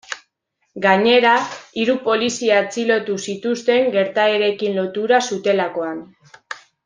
Gainera, hiru polizia atxilotu zituzten gertaerekin lotura zutelakoan.